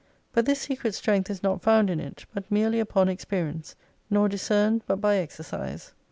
But this secret strength is not found in it, but merely upon experience, nor discerned but by exercise.